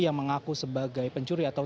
yang mengaku sebagai pencuri atau